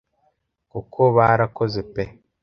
Kuko barakoze pe